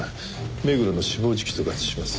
目黒の死亡時期と合致します。